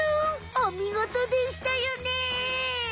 おみごとでしたよね。